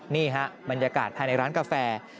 นี่ฮะบรรยากาศภายในร้านกาแฟ